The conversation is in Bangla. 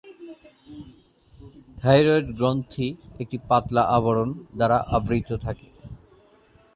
থাইরয়েড গ্রন্থি একটি পাতলা আবরণ দ্বারা আবৃত থাকে।